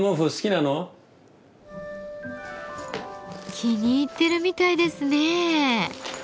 気に入っているみたいですね。